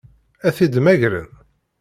Ad t-id-mmagren?